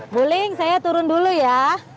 bullying saya turun dulu ya